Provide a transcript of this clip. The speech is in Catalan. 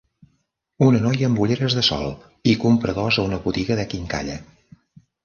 Una noia amb ulleres de sol i compradors a una botiga de quincalla.